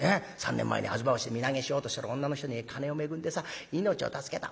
３年前に吾妻橋で身投げしようとしてる女の人に金を恵んでさ命を助けた。